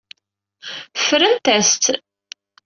Ffrent-as-tt.